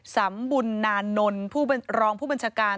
สำบุญนานนท์รองผู้บัญชาการ